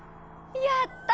やった！